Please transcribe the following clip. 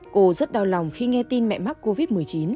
cô rất đau lòng khi nghe tin mẹ mắc covid một mươi chín